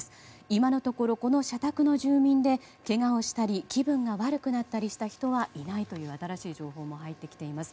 今のところ、この社宅の住民にけがをしたり気分が悪くなった人はいないという新しい情報も入ってきています。